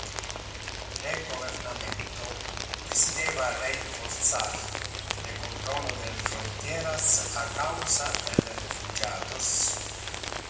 Le governamento decideva reinfortiar le controlo del frontieras a causa del refugiatos.